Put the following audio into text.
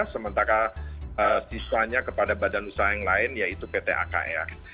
sementara siswanya kepada badan usaha yang lain yaitu pt akr